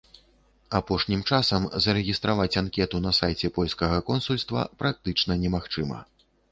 Апошнім часам зарэгістраваць анкету на сайце польскага консульства практычна немагчыма.